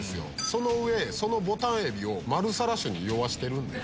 その上そのボタンエビをマルサラ酒に酔わしてるんで。